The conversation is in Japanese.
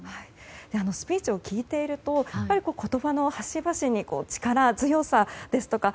スピーチを聞いていると言葉の端々に力強さですとか